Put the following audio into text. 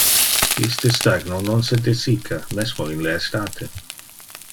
Iste stagno non se desicca, mesmo in le estate.